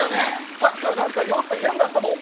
さっきから何か様子変だったもん。